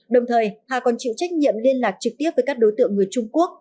đồng thời hà còn chịu trách nhiệm liên lạc trực tiếp với các đối tượng người trung quốc